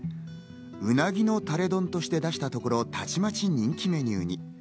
うなぎのタレ丼として出したところ、たちまち人気メニューに。